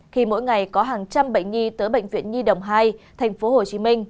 khi mỗi ngày có hàng trăm bệnh nhi tới bệnh viện nhi đồng hai tp hcm